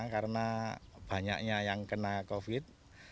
karena banyaknya yang kena covid